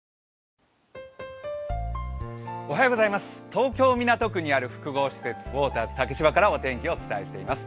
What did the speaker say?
東京・港区にある複合施設、ウォーターズ竹芝からお天気をお伝えしています。